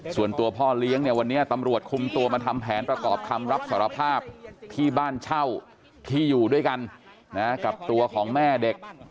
ส่วนตัวพ่อเลี้ยงเนี่ยวันนี้ตำรวจคุมตัวมาทำแผนประกอบคำรับสารภาพที่บ้านเช่าที่อยู่ด้วยกันนะกับตัวของแม่เด็ก